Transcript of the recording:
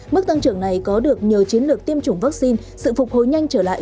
mức tăng trưởng này có được nhờ chiến lược tiêm chủng vaccine sự phục hồi nhanh trở lại